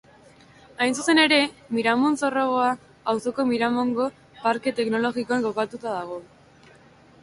Hain zuzen ere, Miramon-Zorroaga auzoko Miramongo Parke Teknologikoan kokatua dado.